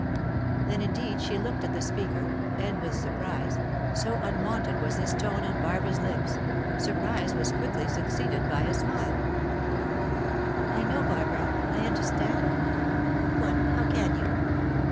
Then indeed she looked at the speaker, and with surprise, so unwonted was this tone on Barbara's lips. Surprise was quickly succeeded by a smile. "I know, Barbara; I understand." "What? How can you?"